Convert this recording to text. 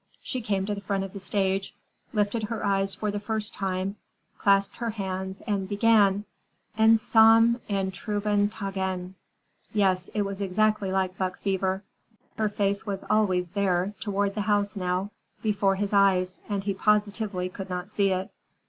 She came to the front of the stage, lifted her eyes for the first time, clasped her hands and began, "Einsam in trüben Tagen." Yes, it was exactly like buck fever. Her face was there, toward the house now, before his eyes, and he positively could not see it.